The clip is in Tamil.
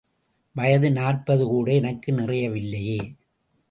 வயது நாற்பது கூட எனக்கு நிறையவில்லையே.